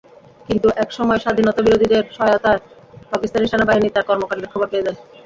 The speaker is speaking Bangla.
কিন্তু একসময় স্বাধীনতাবিরোধীদের সহায়তায় পাকিস্তানি সেনাবাহিনী তাঁর কর্মকাণ্ডের খবর পেয়ে যায়।